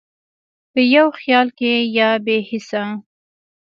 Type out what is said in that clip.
په یو خیال کې یا بې هېڅه،